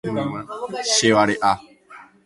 Chevare'a.